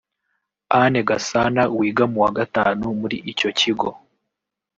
Anne Gasana wiga mu wa gatanu muri icyo kigo